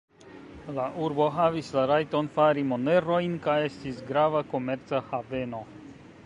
La urbo havis la rajton fari monerojn kaj estis grava komerca haveno.